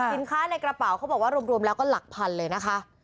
ในกระเป๋าเขาบอกว่ารวมแล้วก็หลักพันเลยนะคะ